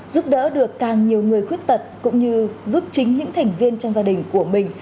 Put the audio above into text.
giúp đỡ được càng nhiều người khuyết tật cũng như giúp chính những thành viên trong gia đình của mình